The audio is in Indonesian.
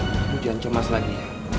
kamu jangan comas lagi ya